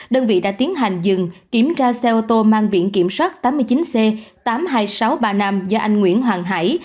đơn vị đã tiến hành dừng kiểm tra xe ô tô mang biển kiểm soát tám mươi chín c tám mươi hai nghìn sáu trăm ba mươi năm do anh nguyễn hoàng hải